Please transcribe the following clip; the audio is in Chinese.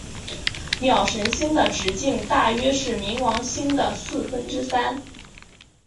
鸟神星的直径大约是冥王星的四分之三。